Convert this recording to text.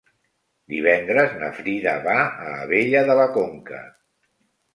Divendres na Frida va a Abella de la Conca.